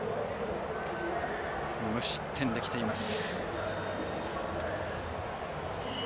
無失点できています。